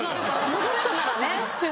戻れたならね。